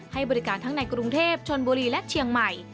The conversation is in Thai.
ให้บริการทั้งในกรุงเทพชนบุรีและเชียงใหม่